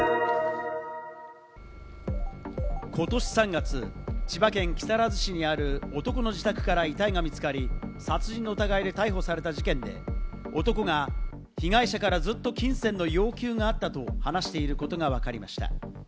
今年３月、千葉県木更津市にある男の自宅から遺体が見つかり、殺人の疑いで逮捕された事件で、男が被害者からずっと金銭の要求があったと話していることがわかりました。